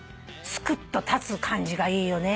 すくっと立つ感じがいいよね。